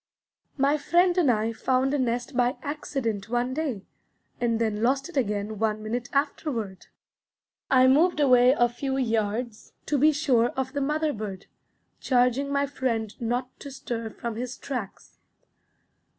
My friend and I found a nest by accident one day, and then lost it again one minute afterward. I moved away a few yards to be sure of the mother bird, charging my friend not to stir from his tracks.